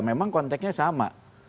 memang konteknya sama